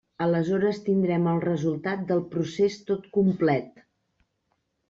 Aleshores tindrem el resultat del procés tot complet.